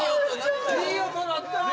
いい音鳴ったよ。